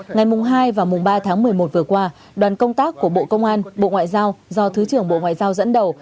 ngày hai và mùng ba tháng một mươi một vừa qua đoàn công tác của bộ công an bộ ngoại giao do thứ trưởng bộ ngoại giao dẫn đầu